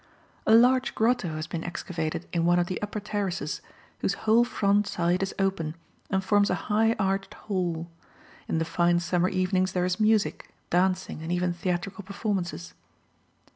A large grotto has been excavated in one of the upper terraces whose whole front side is open, and forms a high arched hall. In the fine summer evenings there is music, dancing, and even theatrical performances.